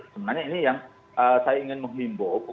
sebenarnya ini yang saya ingin menghimbau